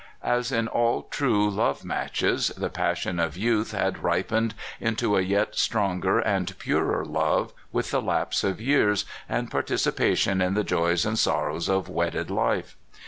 As in all true love matches, the passion of youth had ripened into a yet stronger and purer love with the lapse of years and participation in the joys and sorrows of wedded life.